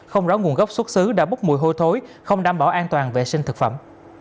không rõ nguồn gốc xuất xứ đã bốc mùi hôi thối không đảm bảo an toàn vệ sinh thực phẩm